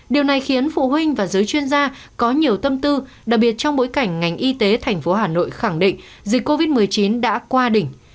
điều này khiến phụ huynh và giới chuyên gia có nhiều tâm tư đặc biệt trong bối cảnh ngành y tế thành phố hà nội khẳng định dịch covid một mươi chín đã qua đỉnh